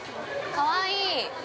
◆かわいい！